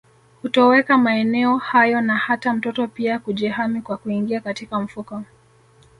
Hutoweka maeneo hayo na hata mtoto pia hujihami kwa kuingia katika mfuko